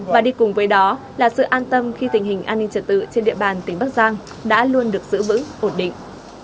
và đi cùng với đó là sự an tâm khi tình hình an ninh trật tự trên địa bàn tỉnh bắc giang đã luôn được giữ vững ổn định